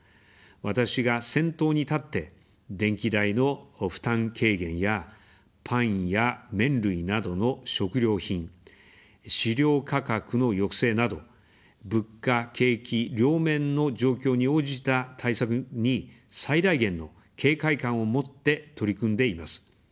私が先頭に立って、電気代の負担軽減やパンや麺類などの食料品、飼料価格の抑制など、物価、景気両面の状況に応じた対策に最大限の警戒感を持って取り組んでいます。